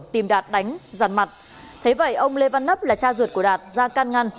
tìm đạt đánh giàn mặt thế vậy ông lê văn nắp là cha ruột của đạt ra can ngăn